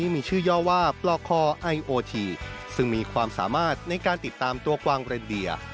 มีความสามารถในการติดตามตัวกวางเร็นเดีย